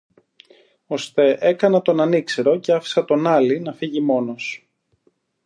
Ώστε έκανα τον ανήξερο, και άφησα τον Άλη να φύγει μόνος.